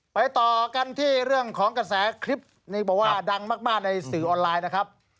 ต่อกันที่เรื่องของกระแสคลิปนี้บอกว่าดังมากในสื่อออนไลน์นะครับ